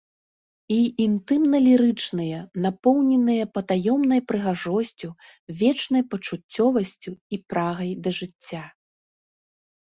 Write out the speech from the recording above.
І інтымна-лірычныя, напоўненыя патаемнай прыгажосцю, вечнай пачуццёвасцю і прагай да жыцця.